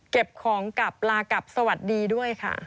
เก็บของกลับลากลับสวัสดีด้วยค่ะ